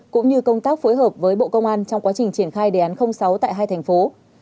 cũng như công tác phối hợp với bộ công an trong quá trình triển khai đề án sáu tại hai thành phố